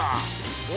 お？